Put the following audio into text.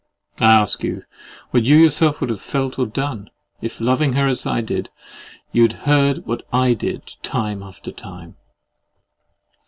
I ask you what you yourself would have felt or done, if loving her as I did, you had heard what I did, time after time?